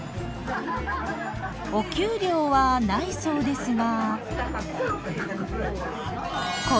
お給料はないそうですが。